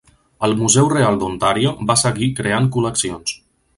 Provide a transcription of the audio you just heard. El Museu Real d'Ontario va seguir creant col·leccions.